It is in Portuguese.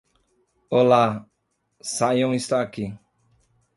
Olá, Siôn está aqui.